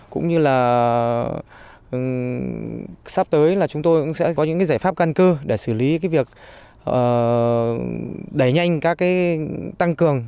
cũng như là sắp tới chúng tôi sẽ có những giải pháp căn cơ để xử lý việc đẩy nhanh các tăng cường